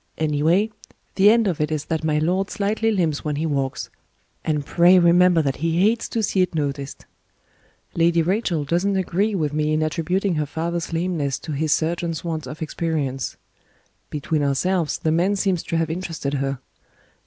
Anyway, the end of it is that my lord slightly limps when he walks; and pray remember that he hates to see it noticed. Lady Rachel doesn't agree with me in attributing her father's lameness to his surgeon's want of experience. Between ourselves, the man seems to have interested her.